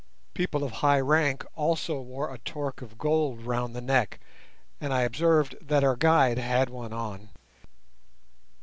People of high rank also wore a torque of gold round the neck, and I observed that our guide had one on.